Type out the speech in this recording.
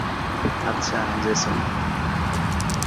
আচ্ছা, জেসন।